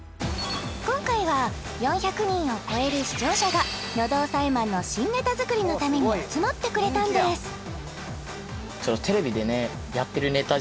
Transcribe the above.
今回は４００人を超える視聴者が喉押さえマンの新ネタ作りのために集まってくれたんです